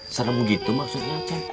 serem gitu maksudnya ceng